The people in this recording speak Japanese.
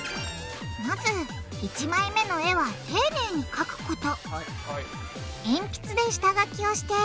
まず１枚目の絵は丁寧にかくこと！